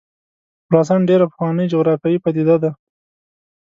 خراسان ډېره پخوانۍ جغرافیایي پدیده ده.